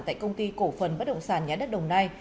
tại công ty cổ phần bất động sản nhà đất đồng nai